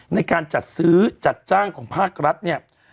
ในการจัดซื้อจัดจ้างของภาครัฐเนี่ย